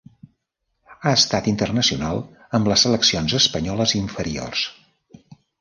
Ha estat internacional amb les seleccions espanyoles inferiors.